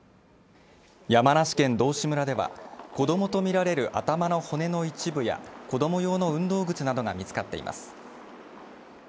山梨県道志村では子供とみられる頭の骨の一部や子供用の運動靴などが見つかっています。